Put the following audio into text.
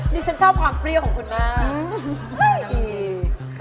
นี่ช้าชอบความพริ้วของคุณมาก